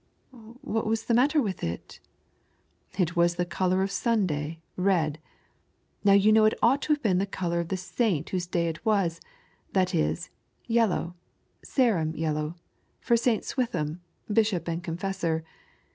" What was the matter with it ?"" It was the colour of the Sunday, red. Now yon know it ought to have been the colour of the saint whose day it was, that is — yellow, Barum yellow— for St. Swithun, Bishop and Confessor.